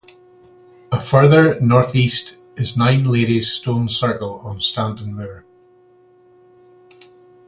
A further north east is Nine Ladies stone circle on Stanton Moor.